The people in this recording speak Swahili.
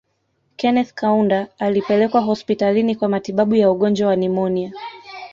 Kenneth Kaunda alipelekwa hospitalini kwa matibabu ya ugonjwa wa nimonia